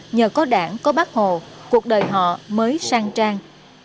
nếu đảng có bác hồ cuộc đời họ mới sang trang